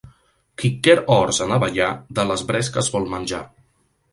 Qui quer horts en abellar, de les bresques vol menjar.